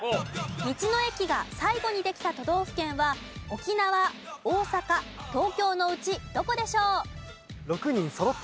道の駅が最後にできた都道府県は沖縄大阪東京のうちどこでしょう？